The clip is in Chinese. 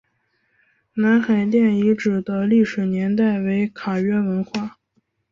南海殿遗址的历史年代为卡约文化。